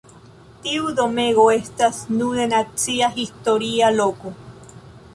Tiu domego estas nune Nacia Historia Loko.